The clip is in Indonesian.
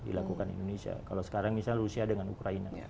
dilakukan indonesia kalau sekarang misalnya rusia dengan ukraina